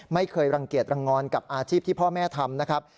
ไม่เคยรังเกียจรังงอนกับอาชีพที่พ่อแม่ทำนะครับ